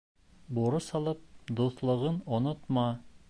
Бурыс алып, дуҫлығың онотма.